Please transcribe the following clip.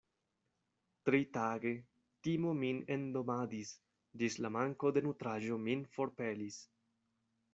Tritage, timo min endomadis, ĝis la manko de nutraĵo min forpelis.